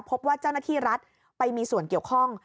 พบว่าเจ้าหน้าที่รัฐไปมีส่วนเกี่ยวข้อง